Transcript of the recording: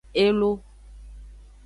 Elo.